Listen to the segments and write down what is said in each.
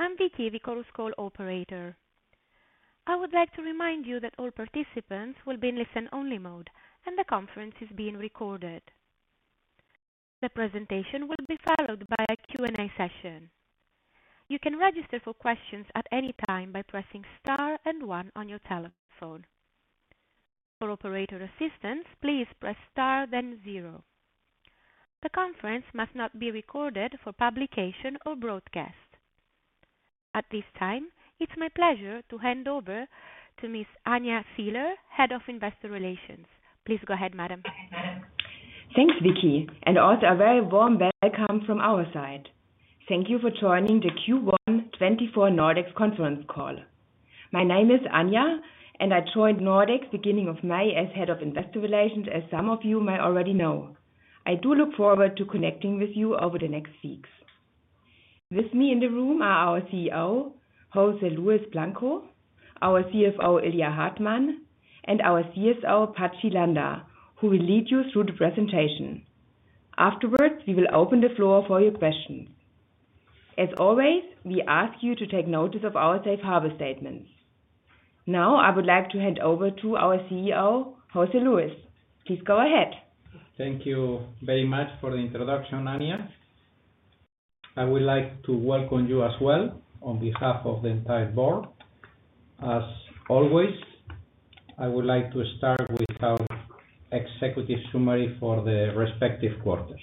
I'm Vicky of Chorus Call, operator. I would like to remind you that all participants will be in listen-only mode and the conference is being recorded. The presentation will be followed by a Q&A session. You can register for questions at any time by pressing star and 1 on your telephone. For operator assistance, please press star, then 0. The conference must not be recorded for publication or broadcast. At this time, it's my pleasure to hand over to Miss Anja Siehler, head of investor relations. Please go ahead, madam. Thanks, Vicky, and also a very warm welcome from our side. Thank you for joining the Q1 2024 Nordex conference call. My name is Anja, and I joined Nordex beginning of May as head of investor relations, as some of you may already know. I do look forward to connecting with you over the next weeks. With me in the room are our CEO, José Luis Blanco, our CFO, Ilya Hartmann, and our CSO, Patxi Landa, who will lead you through the presentation. Afterwards, we will open the floor for your questions. As always, we ask you to take notice of our safe harbor statements. Now I would like to hand over to our CEO, José Luis. Please go ahead. Thank you very much for the introduction, Anja. I would like to welcome you as well on behalf of the entire board. As always, I would like to start with our executive summary for the respective quarter.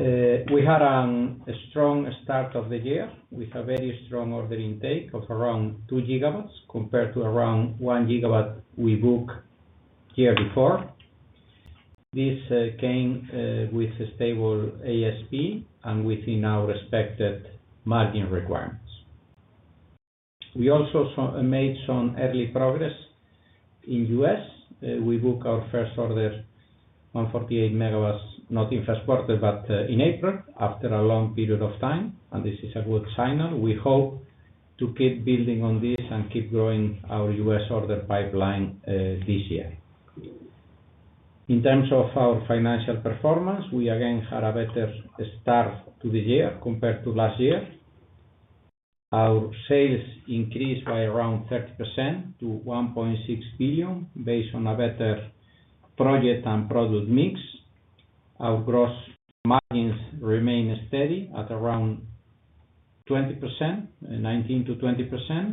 We had a strong start of the year with a very strong order intake of around 2 GW compared to around 1 GW we booked year before. This came with stable ASP and within our expected margin requirements. We also made some early progress in the U.S. We booked our first order, 148 MW, not in the first quarter but in April, after a long period of time, and this is a good signal. We hope to keep building on this and keep growing our U.S. order pipeline, this year. In terms of our financial performance, we again had a better start to the year compared to last year. Our sales increased by around 30% to 1.6 billion based on a better project and product mix. Our gross margins remain steady at around 20%, 19%-20%.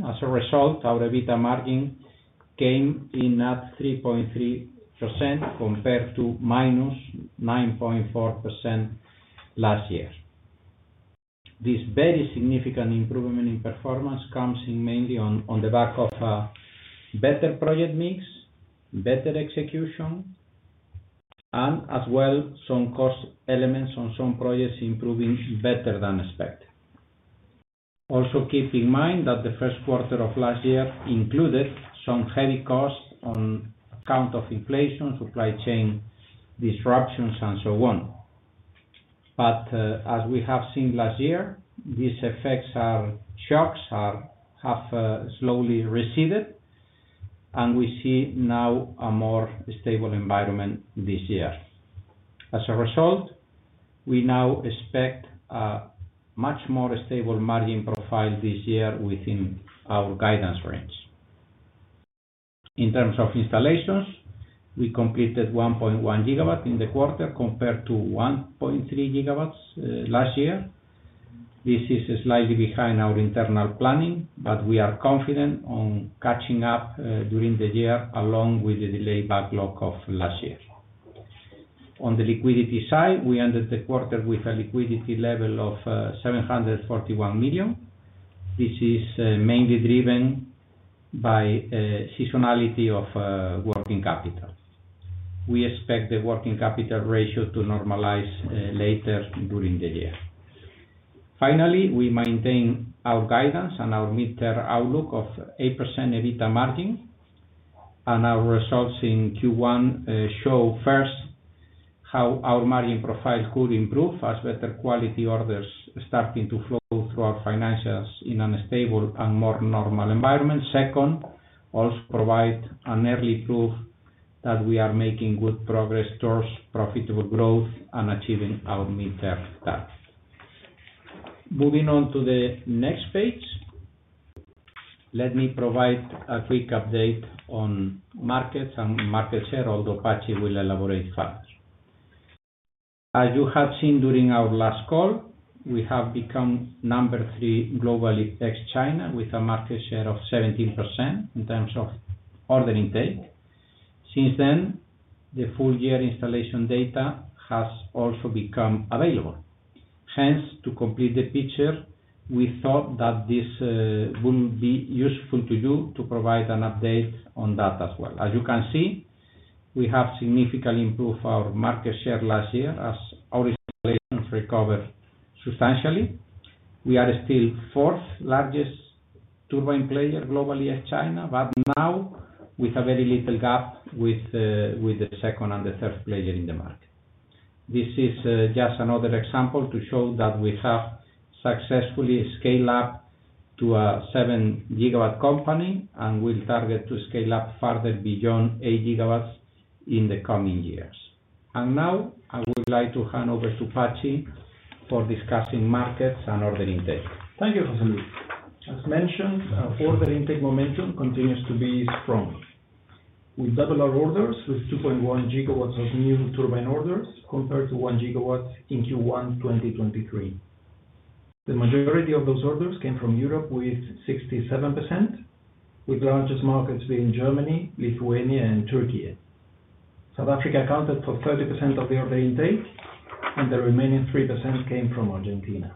As a result, our EBITDA margin came in at 3.3% compared to -9.4% last year. This very significant improvement in performance comes mainly on the back of a better project mix, better execution, and as well some cost elements on some projects improving better than expected. Also, keep in mind that the first quarter of last year included some heavy costs on account of inflation, supply chain disruptions, and so on. But, as we have seen last year, these effects are shocks, have slowly receded, and we see now a more stable environment this year. As a result, we now expect a much more stable margin profile this year within our guidance range. In terms of installations, we completed 1.1 GW in the quarter compared to 1.3 GW last year. This is slightly behind our internal planning, but we are confident on catching up during the year along with the delayed backlog of last year. On the liquidity side, we ended the quarter with a liquidity level of 741 million. This is mainly driven by seasonality of working capital. We expect the working capital ratio to normalize later during the year. Finally, we maintain our guidance and our mid-term outlook of 8% EBITDA margin, and our results in Q1 show, first, how our margin profile could improve as better quality orders start to flow through our financials in a stable and more normal environment. Second, also provide an early proof that we are making good progress towards profitable growth and achieving our mid-term target. Moving on to the next page, let me provide a quick update on markets and market share, although Patxi will elaborate further. As you have seen during our last call, we have become number 3 globally ex-China with a market share of 17% in terms of order intake. Since then, the full-year installation data has also become available. Hence, to complete the picture, we thought that this would be useful to you to provide an update on that as well. As you can see, we have significantly improved our market share last year as our installations recovered substantially. We are still the fourth largest turbine player globally ex-China, but now with a very little gap with the second and the third player in the market. This is just another example to show that we have successfully scaled up to a 7-gigawatt company and will target to scale up further beyond 8 gigawatts in the coming years. Now I would like to hand over to Patxi for discussing markets and order intake. Thank you, José Luis. As mentioned, our order intake momentum continues to be strong. We doubled our orders with 2.1 gigawatts of new turbine orders compared to 1 gigawatt in Q1 2023. The majority of those orders came from Europe with 67%, with the largest markets being Germany, Lithuania, and Türkiye. South Africa accounted for 30% of the order intake, and the remaining 3% came from Argentina.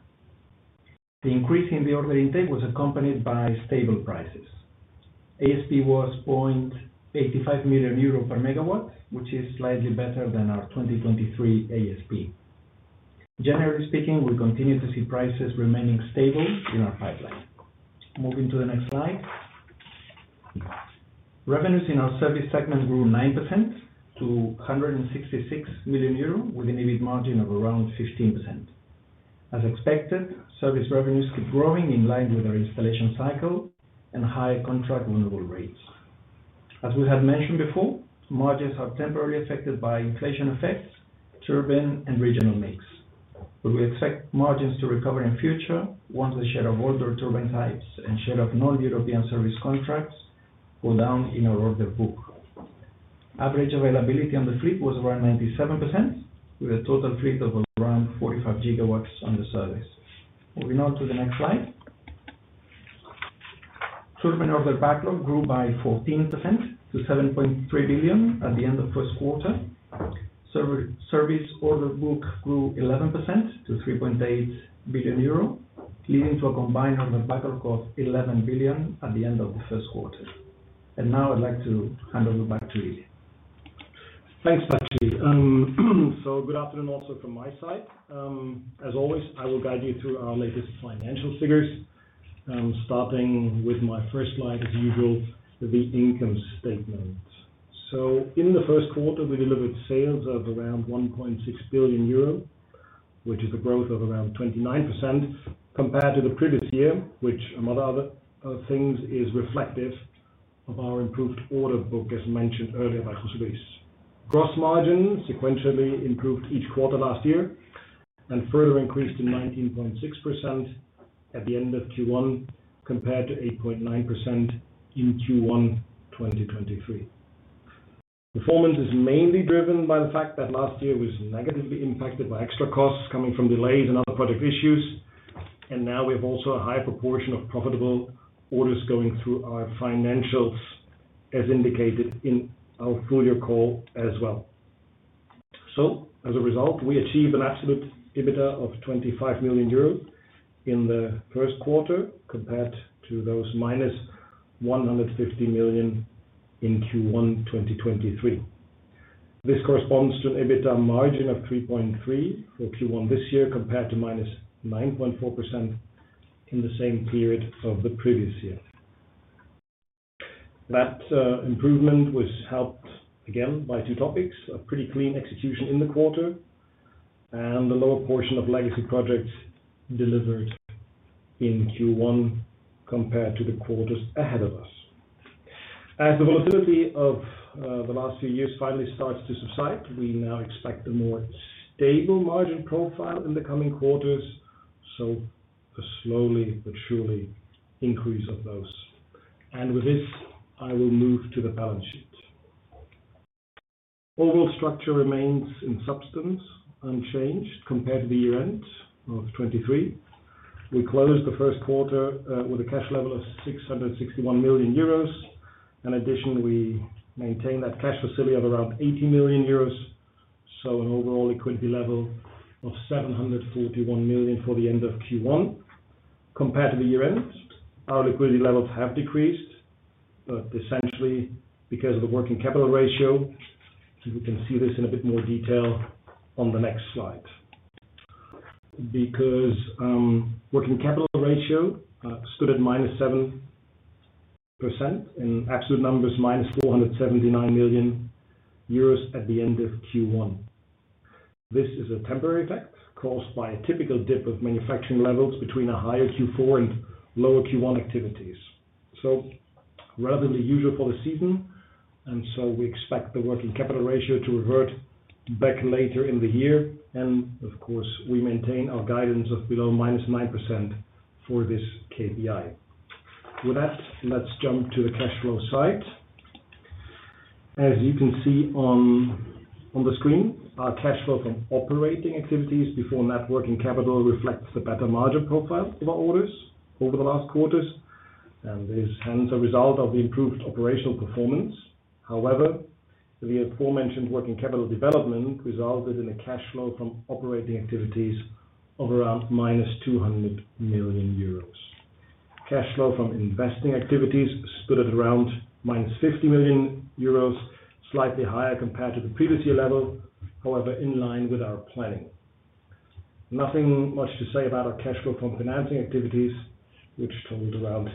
The increase in the order intake was accompanied by stable prices. ASP was 0.85 million euro per megawatt, which is slightly better than our 2023 ASP. Generally speaking, we continue to see prices remaining stable in our pipeline. Moving to the next slide, revenues in our service segment grew 9% to 166 million euro with an EBIT margin of around 15%. As expected, service revenues keep growing in line with our installation cycle and high contract renewal rates. As we had mentioned before, margins are temporarily affected by inflation effects, turbine, and regional mix. But we expect margins to recover in the future once the share of older turbine types and share of non-European service contracts go down in our order book. Average availability on the fleet was around 97%, with a total fleet of around 45 gigawatts on the service. Moving on to the next slide, turbine order backlog grew by 14% to 7.3 billion at the end of the first quarter. Service order book grew 11% to 3.8 billion euro, leading to a combined order backlog of 11 billion at the end of the first quarter. Now I'd like to hand over back to Ilya. Thanks, Patxi. So, good afternoon also from my side. As always, I will guide you through our latest financial figures, starting with my first slide, as usual, the income statement. So, in the first quarter, we delivered sales of around 1.6 billion euro, which is a growth of around 29% compared to the previous year, which, among other things, is reflective of our improved order book, as mentioned earlier by José Luis. Gross margins sequentially improved each quarter last year and further increased to 19.6% at the end of Q1 compared to 8.9% in Q1 2023. Performance is mainly driven by the fact that last year was negatively impacted by extra costs coming from delays and other project issues, and now we have also a higher proportion of profitable orders going through our financials, as indicated in our earlier call as well. As a result, we achieved an absolute EBITDA of 25 million euro in the first quarter compared to -150 million in Q1 2023. This corresponds to an EBITDA margin of 3.3% for Q1 this year compared to -9.4% in the same period of the previous year. That improvement was helped, again, by two topics: a pretty clean execution in the quarter and the lower portion of legacy projects delivered in Q1 compared to the quarters ahead of us. As the volatility of the last few years finally starts to subside, we now expect a more stable margin profile in the coming quarters, so a slowly but surely increase of those. With this, I will move to the balance sheet. Overall structure remains in substance unchanged compared to the year-end of 2023. We closed the first quarter with a cash level of 661 million euros. In addition, we maintain that cash facility of around 80 million euros, so an overall liquidity level of 741 million for the end of Q1 compared to the year-end. Our liquidity levels have decreased, but essentially because of the working capital ratio, and we can see this in a bit more detail on the next slide, because working capital ratio stood at -7%, in absolute numbers minus 479 million euros at the end of Q1. This is a temporary effect caused by a typical dip of manufacturing levels between a higher Q4 and lower Q1 activities, so relatively usual for the season. And so we expect the working capital ratio to revert back later in the year, and of course, we maintain our guidance of below -9% for this KPI. With that, let's jump to the cash flow side. As you can see on the screen, our cash flow from operating activities before net working capital reflects the better margin profile of our orders over the last quarters, and this hence a result of the improved operational performance. However, the aforementioned working capital development resulted in a cash flow from operating activities of around -200 million euros. Cash flow from investing activities split at around -50 million euros, slightly higher compared to the previous year level, however in line with our planning. Nothing much to say about our cash flow from financing activities, which totaled around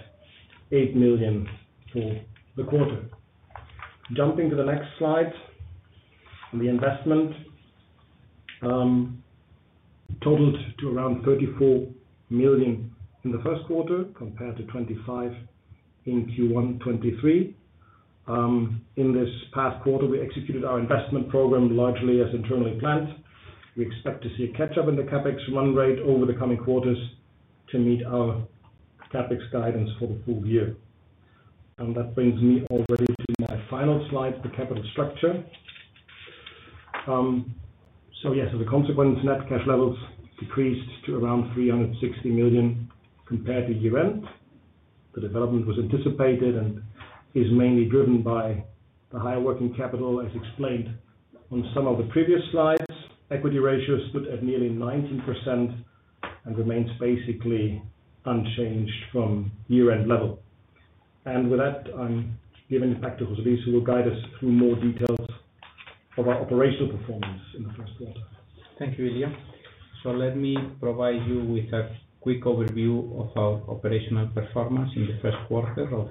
8 million for the quarter. Jumping to the next slide, the investment totaled to around 34 million in the first quarter compared to 25 in Q1 2023. In this past quarter, we executed our investment program largely as internally planned. We expect to see a catch-up in the CapEx run rate over the coming quarters to meet our CapEx guidance for the full year. And that brings me already to my final slide, the capital structure. So, yes, as a consequence, net cash levels decreased to around 360 million compared to year-end. The development was anticipated and is mainly driven by the higher working capital, as explained on some of the previous slides. Equity ratios stood at nearly 19% and remains basically unchanged from year-end level. And with that, I'm giving it back to José Luis, who will guide us through more details of our operational performance in the first quarter. Thank you, Ilya. So, let me provide you with a quick overview of our operational performance in the first quarter of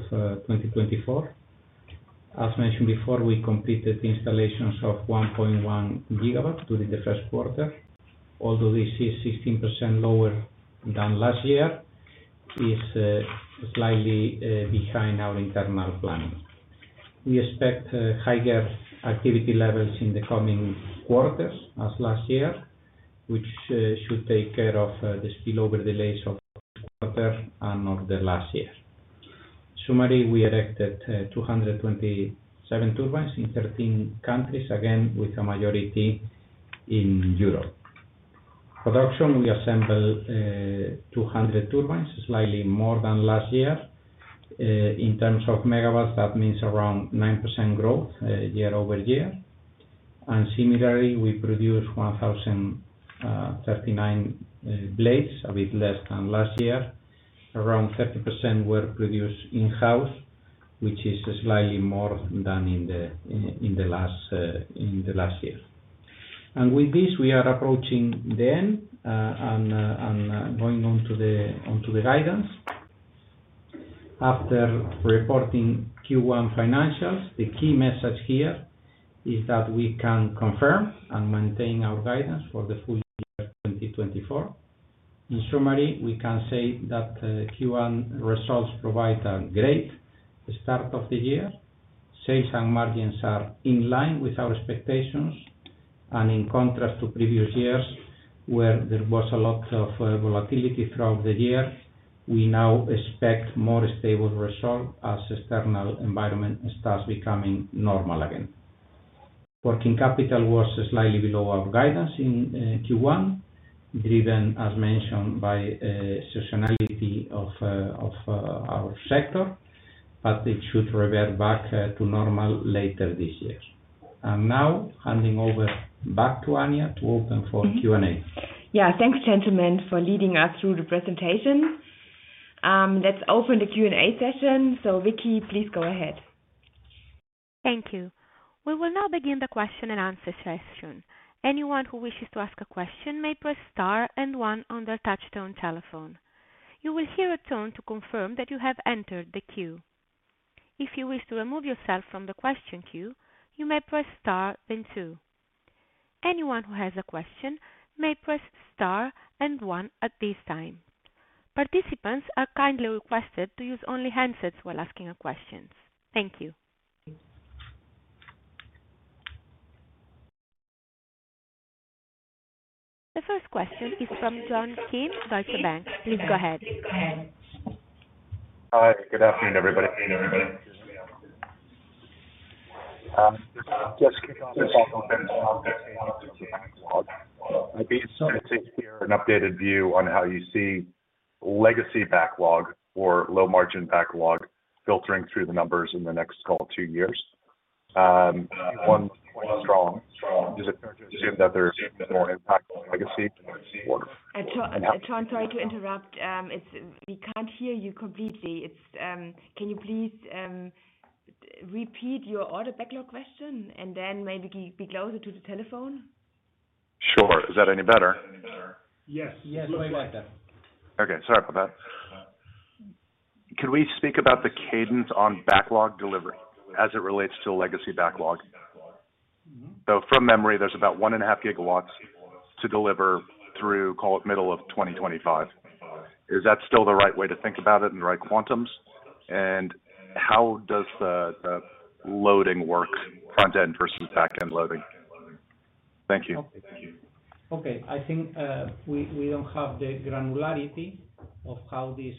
2024. As mentioned before, we completed the installations of 1.1 GW during the first quarter. Although this is 16% lower than last year, it's slightly behind our internal planning. We expect higher activity levels in the coming quarters as last year, which should take care of the spillover delays of this quarter and of the last year. Summary, we erected 227 turbines in 13 countries, again with a majority in Europe. Production, we assembled 200 turbines, slightly more than last year. In terms of megawatts, that means around 9% growth year-over-year. And similarly, we produced 1,039 blades, a bit less than last year. Around 30% were produced in-house, which is slightly more than in the last year. With this, we are approaching the end and going on to the guidance. After reporting Q1 financials, the key message here is that we can confirm and maintain our guidance for the full year 2024. In summary, we can say that Q1 results provide a great start of the year. Sales and margins are in line with our expectations, and in contrast to previous years, where there was a lot of volatility throughout the year, we now expect more stable results as external environment starts becoming normal again. Working capital was slightly below our guidance in Q1, driven, as mentioned, by seasonality of our sector, but it should revert back to normal later this year. Now, handing over back to Anja to open for Q&A. Yeah, thanks, gentlemen, for leading us through the presentation. Let's open the Q&A session. So, Vicky, please go ahead. Thank you. We will now begin the question-and-answer session. Anyone who wishes to ask a question may press star and one on their touch-tone telephone. You will hear a tone to confirm that you have entered the queue. If you wish to remove yourself from the question queue, you may press star, then two. Anyone who has a question may press star and one at this time. Participants are kindly requested to use only handsets while asking questions. Thank you. The first question is from John Kim, Deutsche Bank. Please go ahead. Hi. Good afternoon, everybody. Just kicking off the talk a little bit on the backlog. I'd be interested to hear an updated view on how you see legacy backlog or low-margin backlog filtering through the numbers in the next call two years. Q1 was quite strong. Is it fair to assume that there's more impact on legacy? John, sorry to interrupt. We can't hear you completely. Can you please repeat your order backlog question and then maybe be closer to the telephone? Sure. Is that any better? Yes. Yes, I like that. Okay. Sorry about that. Could we speak about the cadence on backlog delivery as it relates to legacy backlog? So, from memory, there's about 1.5 gigawatts to deliver through, call it, middle of 2025. Is that still the right way to think about it in the right quantum? And how does the loading work, front-end versus back-end loading? Thank you. Okay. I think we don't have the granularity of how this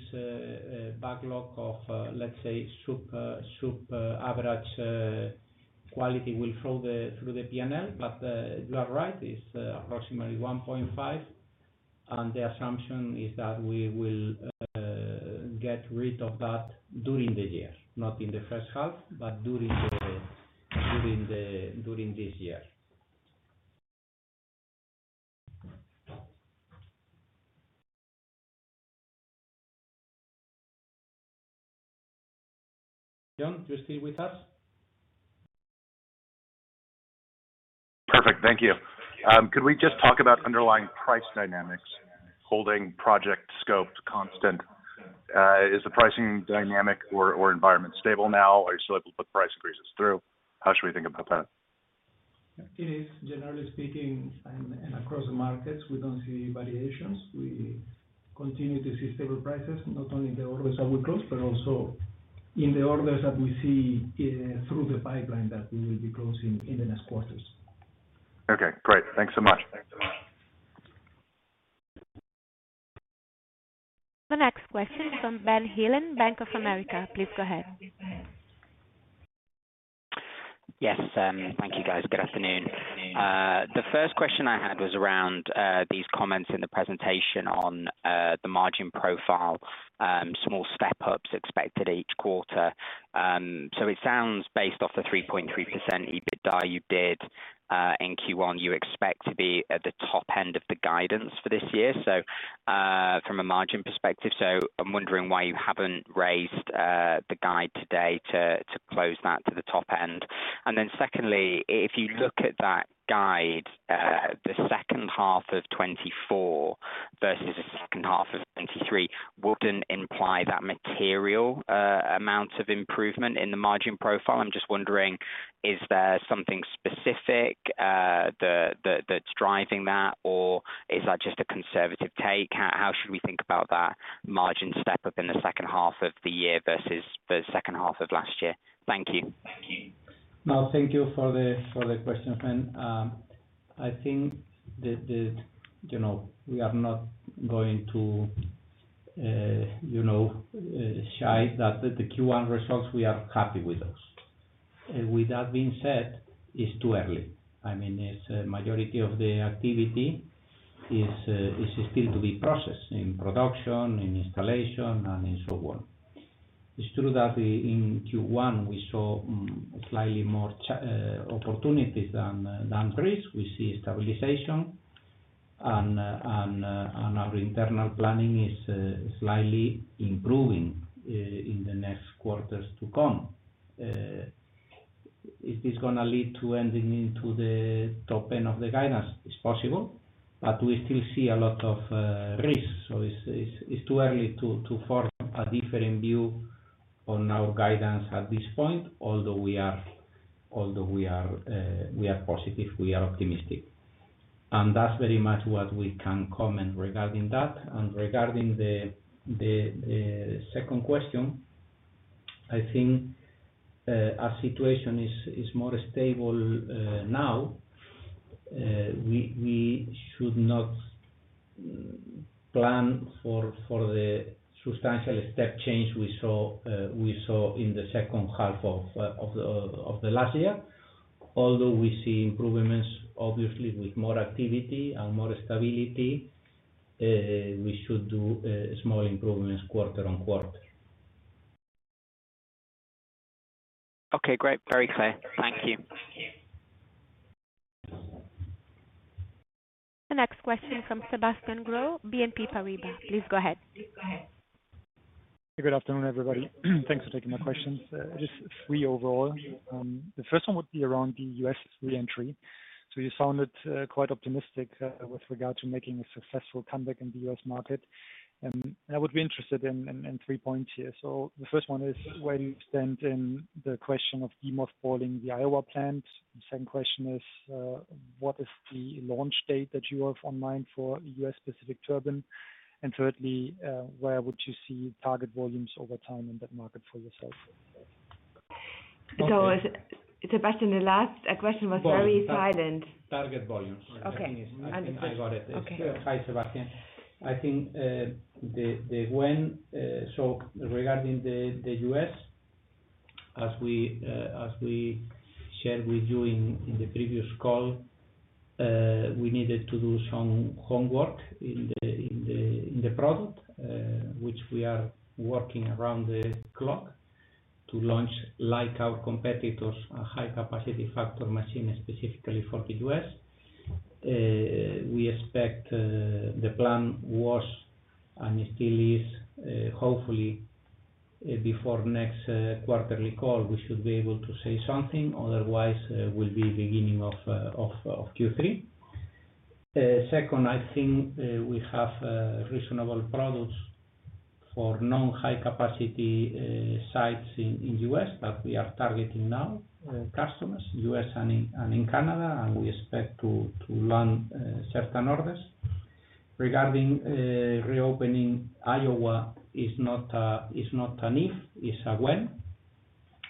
backlog of, let's say, sub-average quality will flow through the P&L. But you are right. It's approximately 1.5, and the assumption is that we will get rid of that during the year, not in the first half, but during this year. John, you're still with us? Perfect. Thank you. Could we just talk about underlying price dynamics? Holding project scope to constant. Is the pricing dynamic or environment stable now? Are you still able to put price increases through? How should we think about that? It is. Generally speaking, and across the markets, we don't see variations. We continue to see stable prices, not only in the orders that we close, but also in the orders that we see through the pipeline that we will be closing in the next quarters. Okay. Great. Thanks so much. The next question is from Ben Heelan, Bank of America. Please go ahead. Yes. Thank you, guys. Good afternoon. The first question I had was around these comments in the presentation on the margin profile, small step-ups expected each quarter. So it sounds, based off the 3.3% EBITDA you did in Q1, you expect to be at the top end of the guidance for this year, from a margin perspective. So I'm wondering why you haven't raised the guide today to close that to the top end. And then secondly, if you look at that guide, the second half of 2024 versus the second half of 2023, wouldn't imply that material amount of improvement in the margin profile? I'm just wondering, is there something specific that's driving that, or is that just a conservative take? How should we think about that margin step-up in the second half of the year versus the second half of last year? Thank you. Thank you. No, thank you for the questions, Ben. I think we are not going to shy that the Q1 results, we are happy with those. With that being said, it's too early. I mean, majority of the activity is still to be processed in production, in installation, and so on. It's true that in Q1, we saw slightly more opportunities than increase. We see stabilization, and our internal planning is slightly improving in the next quarters to come. Is this going to lead to ending into the top end of the guidance? It's possible, but we still see a lot of risks. So it's too early to form a different view on our guidance at this point, although we are positive. We are optimistic. That's very much what we can comment regarding that. Regarding the second question, I think our situation is more stable now. We should not plan for the substantial step change we saw in the second half of the last year. Although we see improvements, obviously, with more activity and more stability, we should do small improvements quarter on quarter. Okay. Great. Very clear. Thank you. The next question is from Sebastian Growe, BNP Paribas. Please go ahead. Good afternoon, everybody. Thanks for taking my questions. Just three overall. The first one would be around the U.S. reentry. So you sounded quite optimistic with regard to making a successful comeback in the U.S. market. And I would be interested in three points here. So the first one is where you stand in the question of demothballing the Iowa plant. The second question is, what is the launch date that you have on mind for a U.S.-specific turbine? And thirdly, where would you see target volumes over time in that market for yourself? So Sebastian, the last question was very silent. Target volumes. I think I got it. Hi, Sebastian. I think when so regarding the US, as we shared with you in the previous call, we needed to do some homework in the product, which we are working around the clock to launch like our competitors, a high-capacity factor machine specifically for the US. We expect the plan was and still is, hopefully, before next quarterly call, we should be able to say something. Otherwise, we'll be beginning of Q3. Second, I think we have reasonable products for non-high-capacity sites in the US that we are targeting now, customers, US and in Canada, and we expect to land certain orders. Regarding reopening, Iowa is not an if. It's a when.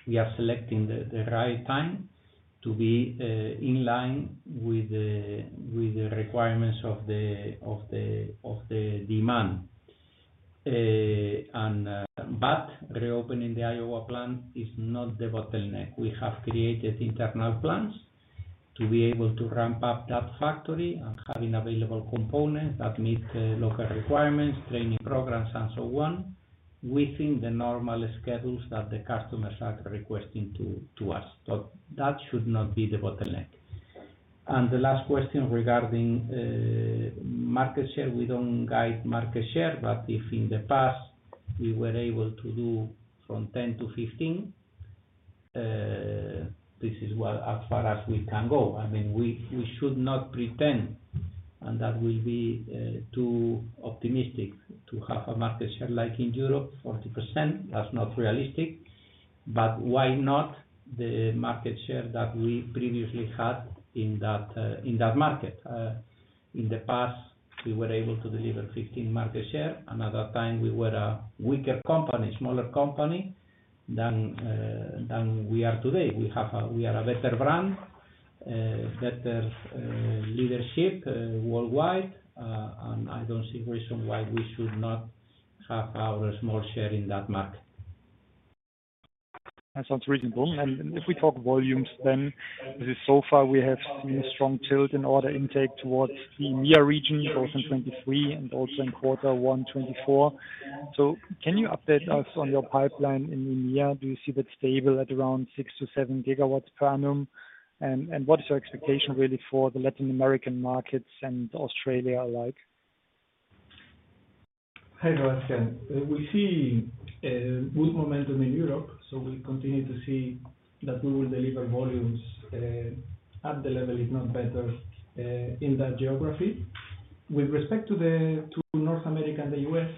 We are selecting the right time to be in line with the requirements of the demand. But reopening the Iowa plant is not the bottleneck. We have created internal plans to be able to ramp up that factory and have available components that meet local requirements, training programs, and so on within the normal schedules that the customers are requesting to us. So that should not be the bottleneck. The last question regarding market share, we don't guide market share, but if in the past we were able to do from 10%-15%, this is as far as we can go. I mean, we should not pretend, and that will be too optimistic, to have a market share like in Europe, 40%. That's not realistic. But why not the market share that we previously had in that market? In the past, we were able to deliver 15% market share, and at that time, we were a weaker company, smaller company than we are today. We are a better brand, better leadership worldwide, and I don't see a reason why we should not have our small share in that market. That sounds reasonable. If we talk volumes, then so far, we have seen a strong tilt in order intake towards the EMEA region, both in 2023 and also in quarter one, 2024. Can you update us on your pipeline in EMEA? Do you see that stable at around 6-7 gigawatts per annum? What is your expectation, really, for the Latin American markets and Australia alike? Hi, Sebastian. We see good momentum in Europe, so we continue to see that we will deliver volumes at the level, if not better, in that geography. With respect to North America and the US,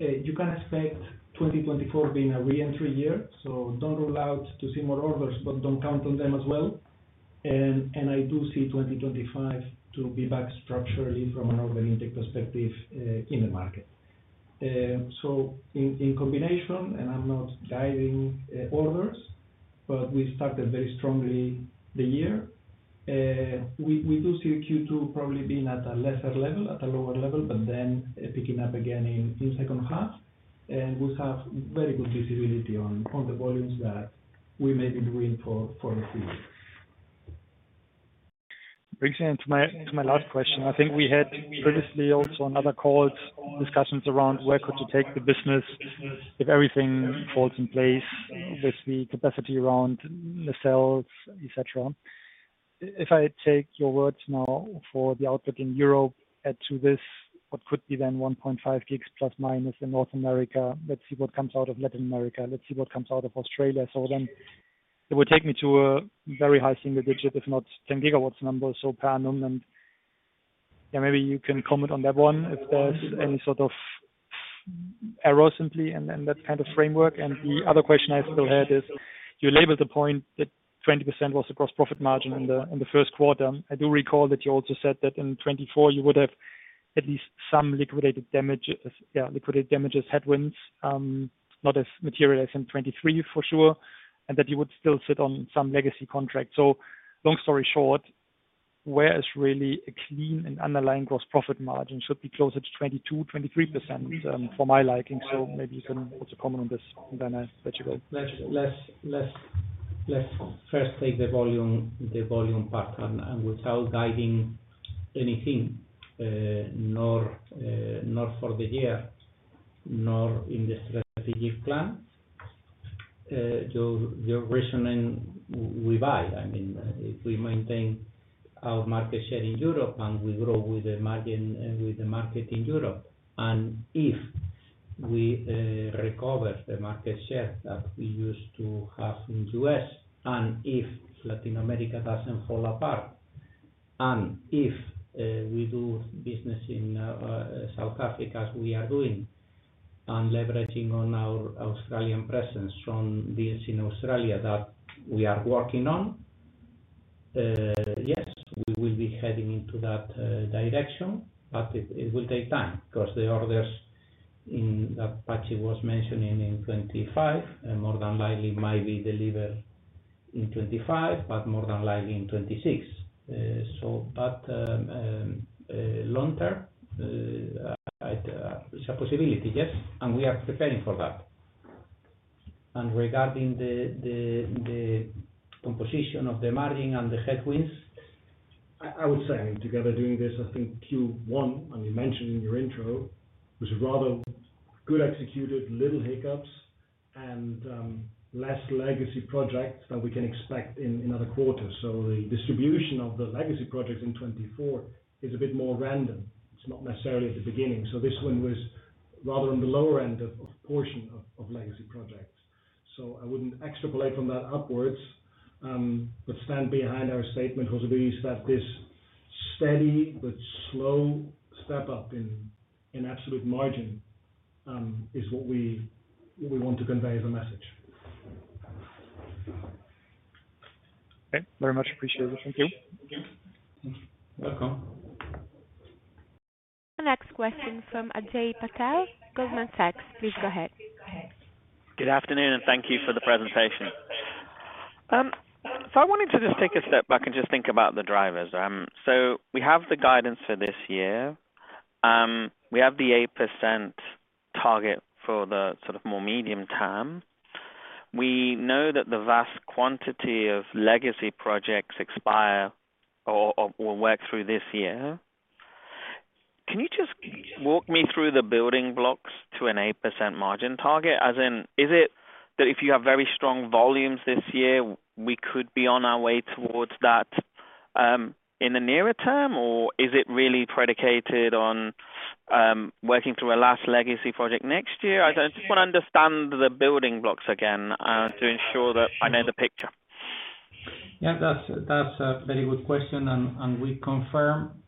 you can expect 2024 being a reentry year. So don't rule out seeing more orders, but don't count on them as well. And I do see 2025 to be back structurally from an order intake perspective in the market. So in combination, and I'm not guiding orders, but we started very strongly the year. We do see Q2 probably being at a lesser level, at a lower level, but then picking up again in second half. And we have very good visibility on the volumes that we may be doing for the field. Brings me to my last question. I think we had previously also on other calls discussions around where could you take the business if everything falls in place with the capacity around the cells, etc. If I take your words now for the outlook in Europe add to this, what could be then 1.5 gigs ± in North America? Let's see what comes out of Latin America. Let's see what comes out of Australia. So then it would take me to a very high single digit, if not 10 gigawatts number, so per annum. And yeah, maybe you can comment on that one if there's any sort of error, simply, and that kind of framework. And the other question I still had is you labeled the point that 20% was the gross profit margin in the first quarter. I do recall that you also said that in 2024, you would have at least some liquidated damages headwinds, not as material as in 2023, for sure, and that you would still sit on some legacy contract. So long story short, where is really a clean and underlying gross profit margin? It should be closer to 22%-23%, for my liking. So maybe you can also comment on this, and then I'll let you go. Let's first take the volume part. Without guiding anything, nor for the year, nor in the strategic plan, you're reasoning we buy. I mean, if we maintain our market share in Europe and we grow with the market in Europe, and if we recover the market share that we used to have in the US, and if Latin America doesn't fall apart, and if we do business in South Africa as we are doing and leveraging on our Australian presence from deals in Australia that we are working on, yes, we will be heading into that direction, but it will take time because the orders that Patxi was mentioning in 2025 more than likely might be delivered in 2025, but more than likely in 2026. But long term, it's a possibility, yes, and we are preparing for that. Regarding the composition of the margin and the headwinds. I would say, I mean, together doing this, I think Q1, and you mentioned in your intro, was rather good executed, little hiccups, and less legacy projects than we can expect in other quarters. So the distribution of the legacy projects in 2024 is a bit more random. It's not necessarily at the beginning. So this one was rather on the lower end of portion of legacy projects. So I wouldn't extrapolate from that upwards but stand behind our statement, José Luis, that this steady but slow step-up in absolute margin is what we want to convey as a message. Okay. Very much appreciate it. Thank you. Thank you. Welcome. The next question is from Ajay Patel, Goldman Sachs. Please go ahead. Good afternoon, and thank you for the presentation. So I wanted to just take a step back and just think about the drivers. So we have the guidance for this year. We have the 8% target for the sort of more medium term. We know that the vast quantity of legacy projects expire or work through this year. Can you just walk me through the building blocks to an 8% margin target? As in, is it that if you have very strong volumes this year, we could be on our way towards that in the nearer term, or is it really predicated on working through a last legacy project next year? I just want to understand the building blocks again to ensure that I know the picture. Yeah, that's a very good question. And we confirm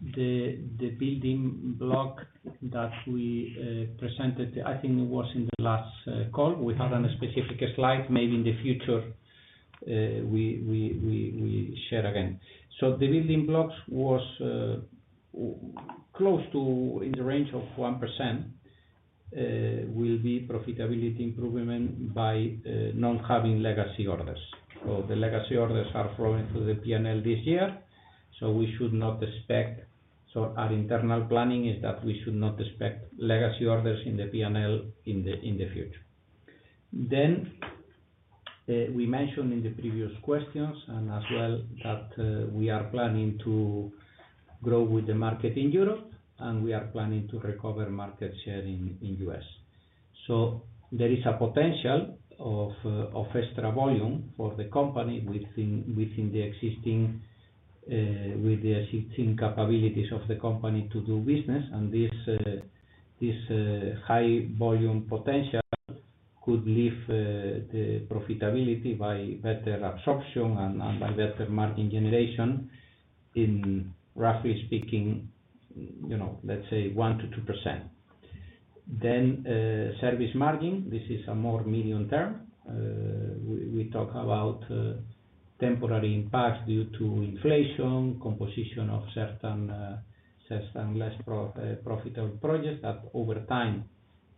the building block that we presented. I think it was in the last call. We had a specific slide. Maybe in the future, we share again. So the building blocks was close to in the range of 1% will be profitability improvement by not having legacy orders. So the legacy orders are flowing through the P&L this year, so we should not expect, so our internal planning is that we should not expect legacy orders in the P&L in the future. Then we mentioned in the previous questions and as well that we are planning to grow with the market in Europe, and we are planning to recover market share in the US. So there is a potential of extra volume for the company within the existing with the existing capabilities of the company to do business. This high-volume potential could lift the profitability by better absorption and by better margin generation, roughly speaking, let's say, 1%-2%. Service margin, this is a more medium term. We talk about temporary impacts due to inflation, composition of certain less profitable projects that over time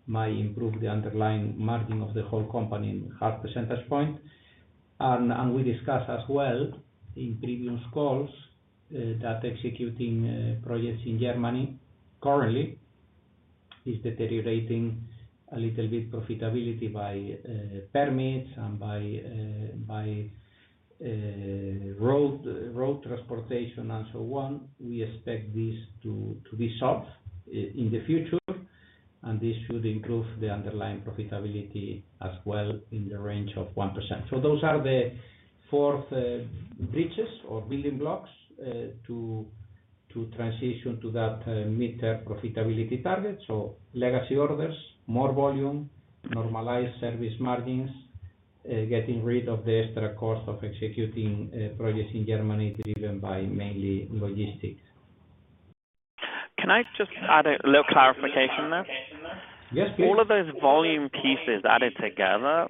might improve the underlying margin of the whole company in a hard percentage point. We discussed as well in previous calls that executing projects in Germany currently is deteriorating a little bit profitability by permits and by road transportation and so on. We expect this to be solved in the future, and this should improve the underlying profitability as well in the range of 1%. Those are the four bridges or building blocks to transition to that mid-term profitability target. Legacy orders, more volume, normalized service margins, getting rid of the extra cost of executing projects in Germany driven by mainly logistics. Can I just add a little clarification there? Yes, please. All of those volume pieces added together,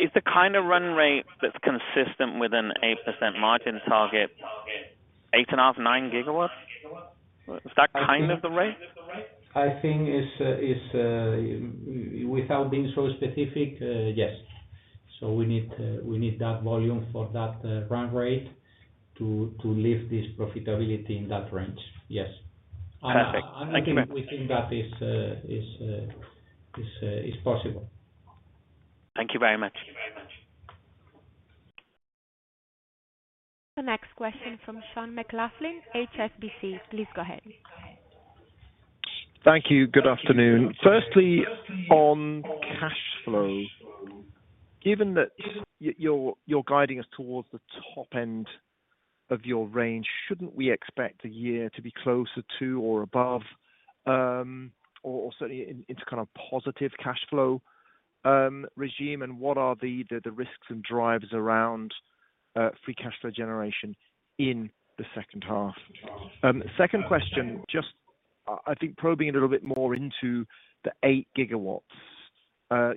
is the kind of run rate that's consistent with an 8% margin target, 8.5-9 GW? Is that kind of the rate? I think without being so specific, yes. So we need that volume for that run rate to lift this profitability in that range. Yes. Perfect. Thank you. We think that is possible. Thank you very much. The next question from Sean McLoughlin, HSBC. Please go ahead. Thank you. Good afternoon. Firstly, on cash flow, given that you're guiding us towards the top end of your range, shouldn't we expect the year to be closer to or above or certainly into kind of positive cash flow regime? And what are the risks and drives around free cash flow generation in the second half? Second question, just I think probing a little bit more into the 8 GW.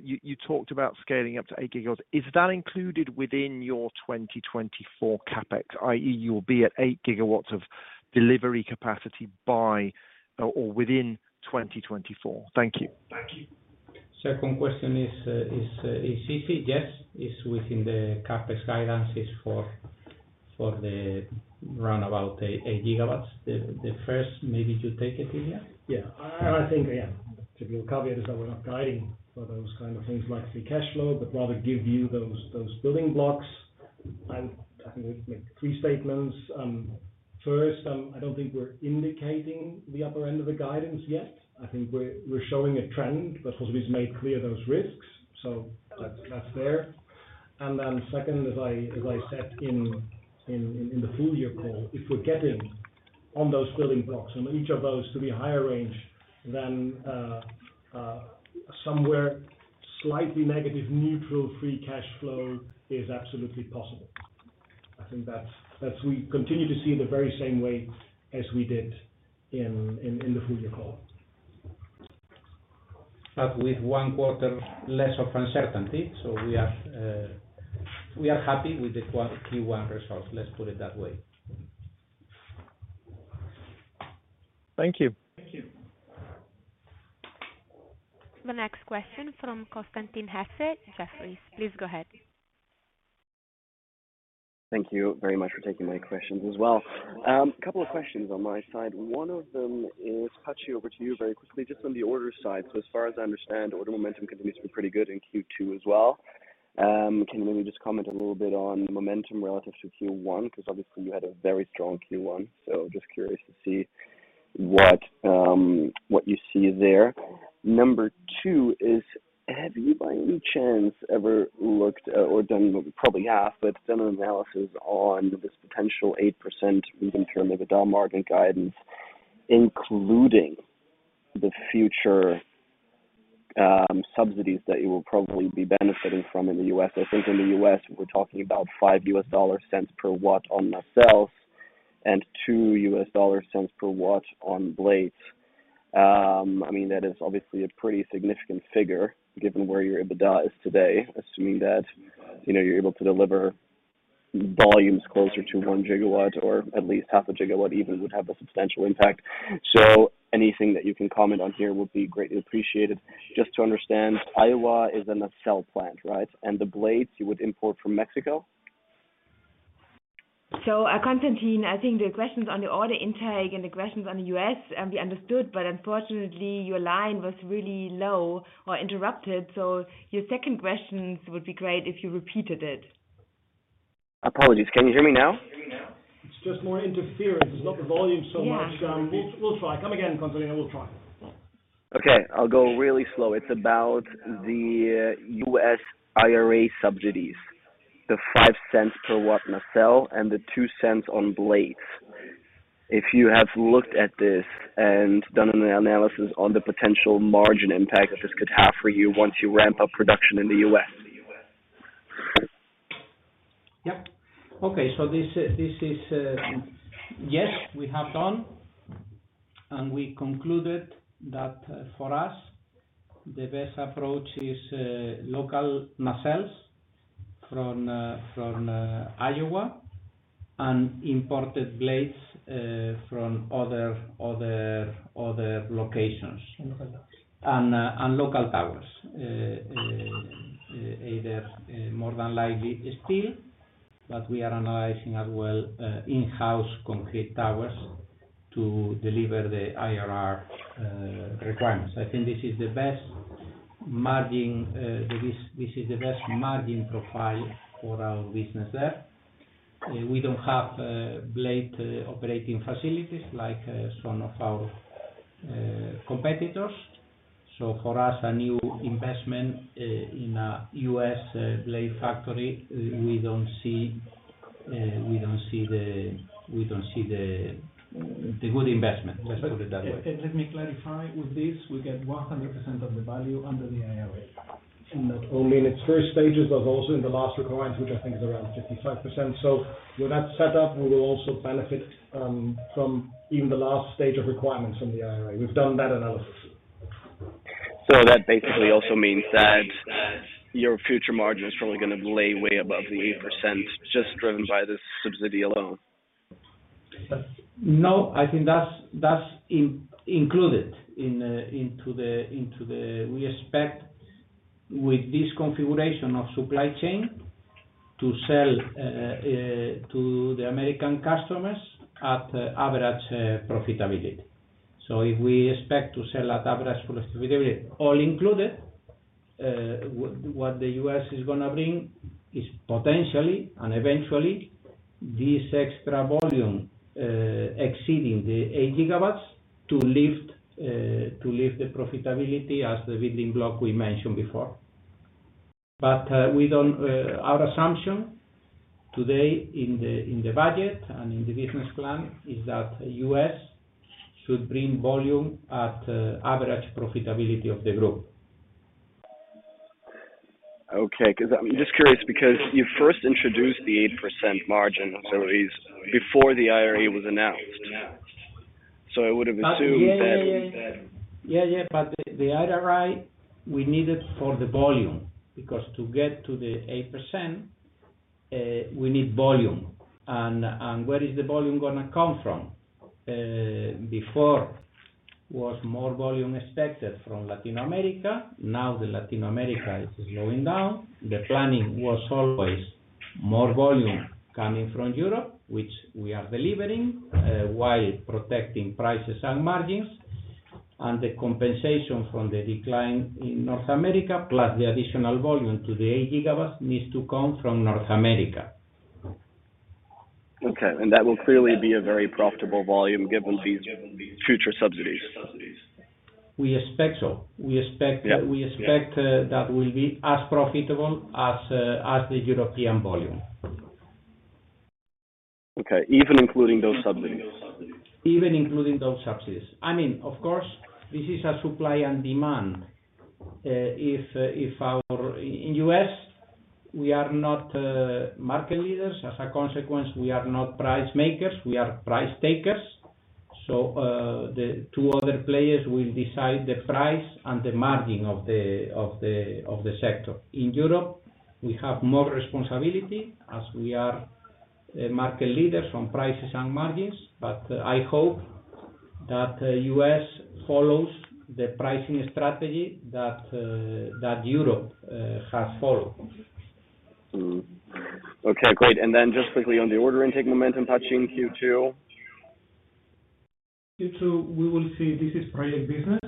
You talked about scaling up to 8 GW. Is that included within your 2024 CapEx, i.e., you'll be at 8 GW of delivery capacity by or within 2024? Thank you. Thank you. Second question is easy. Yes, it's within the CapEx guidances for the roundabout 8 GW. The first, maybe you take it, Ilya. Yeah. And I think, again, to be able to caveat is that we're not guiding for those kind of things like free cash flow, but rather give you those building blocks. I think we've made three statements. First, I don't think we're indicating the upper end of the guidance yet. I think we're showing a trend, but José Luis made clear those risks, so that's there. And then second, as I said in the full-year call, if we're getting on those building blocks and each of those to the higher range, then somewhere slightly negative neutral free cash flow is absolutely possible. I think we continue to see the very same way as we did in the full-year call. With one quarter less of uncertainty. We are happy with the Q1 results. Let's put it that way. Thank you. Thank you. The next question from Constantin Hesse, Jefferies. Please go ahead. Thank you very much for taking my questions as well. A couple of questions on my side. One of them is Patxi, over to you very quickly. Just on the order side, so as far as I understand, order momentum continues to be pretty good in Q2 as well. Can you maybe just comment a little bit on the momentum relative to Q1? Because obviously, you had a very strong Q1, so just curious to see what you see there. Number two is, have you by any chance ever looked or done probably have, but done an analysis on this potential 8% medium term, maybe dollar margin guidance, including the future subsidies that you will probably be benefiting from in the US? I think in the US, we're talking about $0.05 per watt on nacelles and $0.02 per watt on blades. I mean, that is obviously a pretty significant figure given where your EBITDA is today, assuming that you're able to deliver volumes closer to 1 GW or at least 0.5 GW even would have a substantial impact. So anything that you can comment on here would be greatly appreciated. Just to understand, Iowa is a nacelle plant, right? And the blades, you would import from Mexico? So, Constantin, I think the questions on the order intake and the questions on the US we understood, but unfortunately, your line was really low or interrupted. So, your second questions would be great if you repeated it. Apologies. Can you hear me now? It's just more interference. It's not the volume so much. We'll try. Come again, Constantin. We'll try. Okay. I'll go really slow. It's about the U.S. IRA subsidies, the $0.05 per watt nacelle and the $0.02 on blades. If you have looked at this and done an analysis on the potential margin impact that this could have for you once you ramp up production in the U.S. Yep. Okay. So this is, yes, we have done. We concluded that for us, the best approach is local nacelles from Iowa and imported blades from other locations and local towers, either more than likely steel, but we are analyzing as well in-house concrete towers to deliver the IRR requirements. I think this is the best margin this is the best margin profile for our business there. We don't have blade operating facilities like some of our competitors. So for us, a new investment in a U.S. blade factory, we don't see the we don't see the good investment. Let's put it that way. Let me clarify. With this, we get 100% of the value under the IRA. I mean, it's first stages, but also in the last requirements, which I think is around 55%. So with that setup, we will also benefit from even the last stage of requirements from the IRA. We've done that analysis. So that basically also means that your future margin is probably going to lie way above the 8% just driven by this subsidy alone? No, I think that's included into the we expect with this configuration of supply chain to sell to the American customers at average profitability. So if we expect to sell at average profitability all included, what the US is going to bring is potentially and eventually this extra volume exceeding the 8 GW to lift the profitability as the building block we mentioned before. But our assumption today in the budget and in the business plan is that US should bring volume at average profitability of the group. Okay. I'm just curious because you first introduced the 8% margin, José Luis, before the IRA was announced. So I would have assumed that. Yeah, yeah. But the IRA, we need it for the volume because to get to the 8%, we need volume. And where is the volume going to come from before? Was more volume expected from Latin America. Now, the Latin America is slowing down. The planning was always more volume coming from Europe, which we are delivering while protecting prices and margins. And the compensation from the decline in North America, plus the additional volume to the 8 GW, needs to come from North America. Okay. That will clearly be a very profitable volume given these future subsidies. We expect so. We expect that will be as profitable as the European volume. Okay. Even including those subsidies. Even including those subsidies. I mean, of course, this is a supply and demand. In the U.S., we are not market leaders. As a consequence, we are not price makers. We are price takers. So the two other players will decide the price and the margin of the sector. In Europe, we have more responsibility as we are market leaders on prices and margins. But I hope that the U.S. follows the pricing strategy that Europe has followed. Okay. Great. Then just quickly on the order intake momentum, Patxi, in Q2. Q2, we will see this is project business.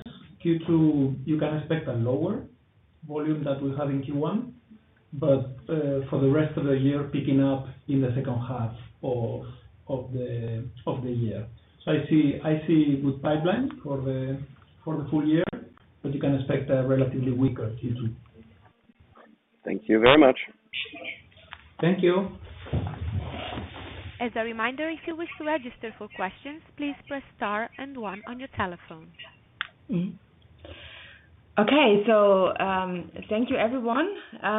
Q2, you can expect a lower volume than we have in Q1, but for the rest of the year, picking up in the second half of the year. So I see good pipeline for the full year, but you can expect a relatively weaker Q2. Thank you very much. Thank you. As a reminder, if you wish to register for questions, please press star and one on your telephone. Okay. Thank you, everyone.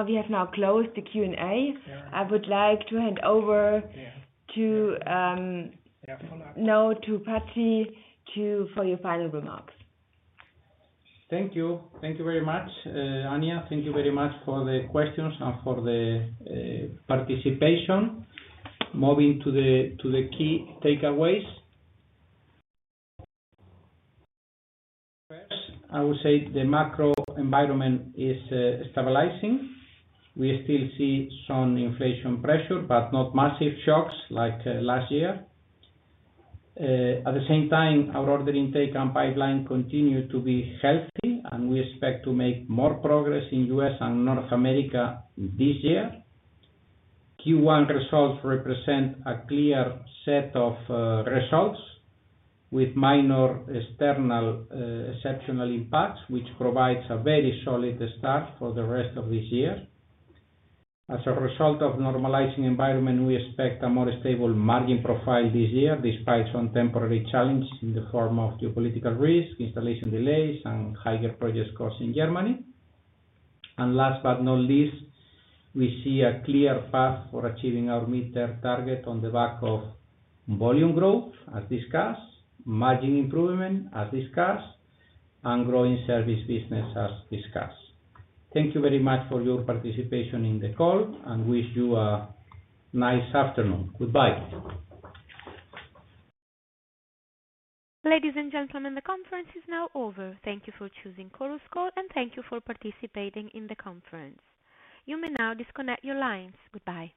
We have now closed the Q&A. I would like to hand over now to Patxi for your final remarks. Thank you. Thank you very much, Anja. Thank you very much for the questions and for the participation. Moving to the key takeaways, first, I would say the macro environment is stabilizing. We still see some inflation pressure, but not massive shocks like last year. At the same time, our order intake and pipeline continue to be healthy, and we expect to make more progress in the U.S. and North America this year. Q1 results represent a clear set of results with minor external exceptional impacts, which provides a very solid start for the rest of this year. As a result of normalizing environment, we expect a more stable margin profile this year despite some temporary challenges in the form of geopolitical risk, installation delays, and higher project costs in Germany. Last but not least, we see a clear path for achieving our mid-term target on the back of volume growth as discussed, margin improvement as discussed, and growing service business as discussed. Thank you very much for your participation in the call and wish you a nice afternoon. Goodbye. Ladies and gentlemen, the conference is now over. Thank you for choosing Chorus Call, and thank you for participating in the conference. You may now disconnect your lines. Goodbye.